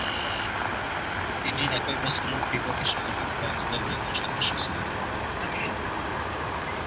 তিনি একই বছরের ফিফা বিশ্বকাপে ফ্রান্স দলের একজন সদস্য ছিলেন।